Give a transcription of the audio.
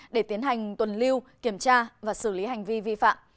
để tiến hành tuần lưu kiểm tra và xử lý hành vi vi phạm